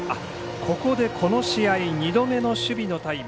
これでここで２度目の守備のタイム。